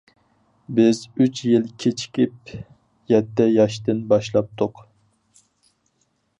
بىز ئۈچ يىل كېچىكىپ يەتتە ياشتىن باشلاپتۇق.